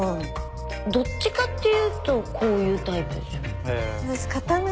どっちかって言うとこういうタイプですよ。